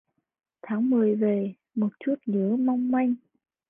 Tháng Mười về, một chút nhớ mong manh